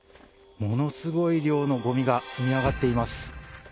ものすごい量のごみが積み上がっています。